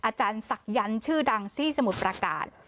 อาจารย์ศักยันต์ชื่อดังที่สมุทรประการ